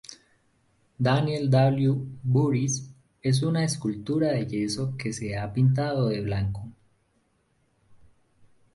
Daniel W. Voorhees es una escultura de yeso que se ha pintado de blanco.